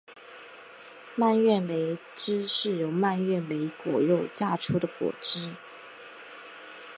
蔓越莓汁是由蔓越莓果肉榨出的果汁。